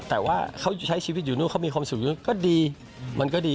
แต่ว่าเขาใช้ชีวิตอยู่นู่นเขามีความสุขอยู่นู้นก็ดีมันก็ดี